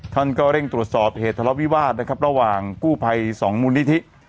ท่านก็เร่งตรวจสอบเหตุล้าวิวาธน์ระหว่างกูภัยสองมงิวนิธิ